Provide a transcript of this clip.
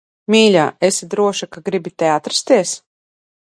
Mīļā, esi droša, ka gribi te atrasties?